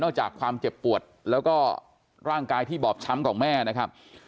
จากความเจ็บปวดแล้วก็ร่างกายที่บอบช้ำของแม่นะครับ